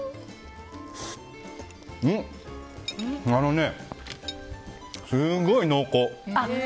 あのね、すごい濃厚！